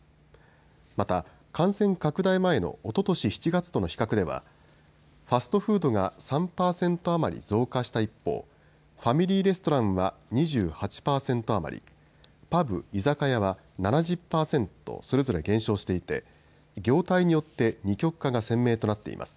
また感染拡大前のおととし７月との比較ではファストフードが３％余り増加した一方ファミリーレストランは２８％余り、パブ・居酒屋は７０％それぞれ減少していて業態によって二極化が鮮明となっています。